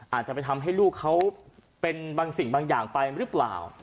อาจจะไปทำให้ลูกเขาเป็นบางสิ่งบางอย่างไปหรือเปล่า